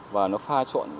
và nó pha trộn